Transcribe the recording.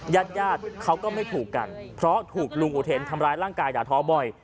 ญาติญาติเขาก็ไม่ถูกกันเพราะถูกลุงอุเทนทำร้ายร่างกายด่าท้อบ่อย